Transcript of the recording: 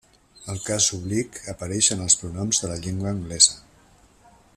El cas oblic apareix en els pronoms de la llengua anglesa.